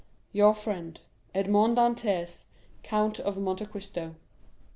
'—Your friend, "Edmond Dantès, Count of Monte Cristo."